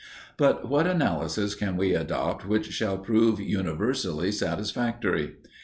But what analysis can we adopt which shall prove universally satisfactory?